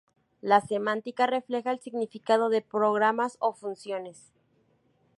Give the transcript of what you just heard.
La semántica refleja el significado de programas o funciones.